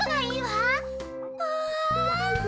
うわ！